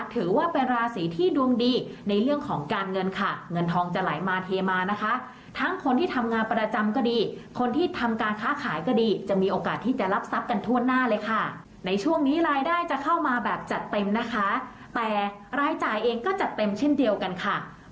ถือว่าเป็นราศีที่ดวงดีในเรื่องของการเงินค่ะ